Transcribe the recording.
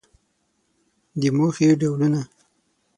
د موخې ډولونه